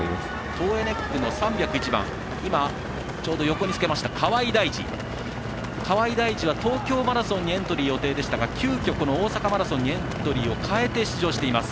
トーエネックの３０１番河合代二今、ちょうど横につけた河合代二は、東京マラソンにエントリーする予定でしたが急きょ、大阪マラソンにエントリーを変えて出場しています。